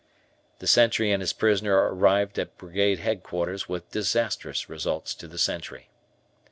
The sentry and his prisoner arrived at Brigade Headquarters with disastrous results to the sentry.